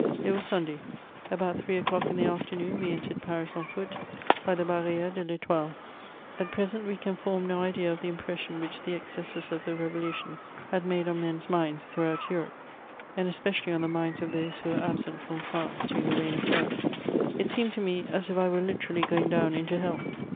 It was Sunday : ahout three o'clock in the afternoon we en tered Paris on foot, hy the Barnere de VEtoUe. At present we can form no idea of the impression which the excesses of the Rtfvolution had made on men*s minds throughout Europe, and especially on the minds of those who were absent from France during the reign of Terror. It seemed to me, as if I were literally going down into hell.